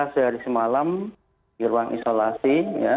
sehari semalam di ruang isolasi